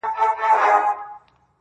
بيا دې د دوو سترگو تلاوت شروع کړ